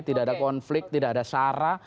tidak ada konflik tidak ada sara